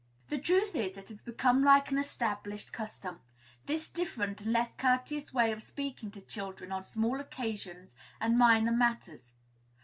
The truth is, it has become like an established custom, this different and less courteous way of speaking to children on small occasions and minor matters.